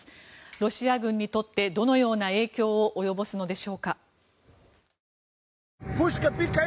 ロシア軍にとってどのような影響を及ぼすのでしょうか。